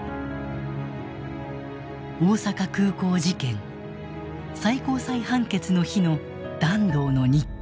大阪空港事件最高裁判決の日の團藤の日記。